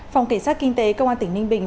phòng cảnh sát kinh tế công an tỉnh ninh bình